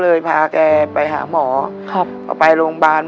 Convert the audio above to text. อยู่มาก็ประมาณ๒๐ปีแล้วค่ะ